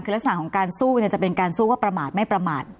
คือลักษณะของการสู้จะเป็นการสู้ว่าประมาทไม่ประมาท